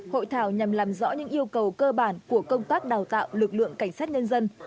hội thảo nhằm làm rõ những yêu cầu cơ bản của công tác đào tạo lực lượng cảnh sát nhân dân